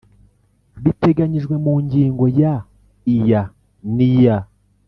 biteganyijwe mu ngingo ya iya n iya